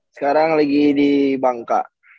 sekarang lagi di bangka